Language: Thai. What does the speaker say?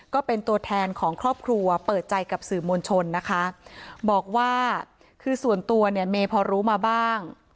ก็เป็นตัวแทนของครอบครัวเปิดใจกับสื่อมวลชนนะคะบอกว่าคือส่วนตัวเนี่ยเมย์พอรู้มาบ้าง